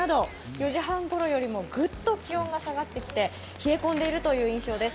４時半ごろよりもグッと気温が下がってきて冷え込んでいるという印象です。